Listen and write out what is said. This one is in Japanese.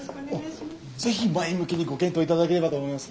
ぜひ前向きにご検討頂ければと思います。